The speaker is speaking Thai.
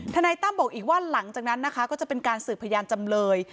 นายตั้มบอกอีกว่าหลังจากนั้นนะคะก็จะเป็นการสืบพยานจำเลย